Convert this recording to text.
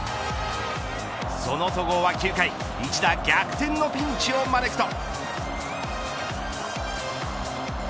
その戸郷は９回一打逆転のピンチを招くと。